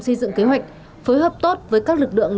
xây dựng kế hoạch phối hợp tốt với các lực lượng